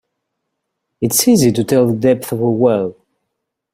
It's easy to tell the depth of a well.